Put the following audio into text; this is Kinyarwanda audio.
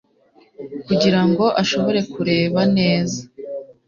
kugira ngo ashobore kureba neza